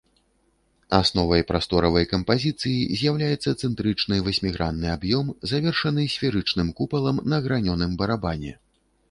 Асновай прасторавай кампазіцыі з'яўляецца цэнтрычны васьмігранны аб'ём, завершаны сферычным купалам на гранёным барабане.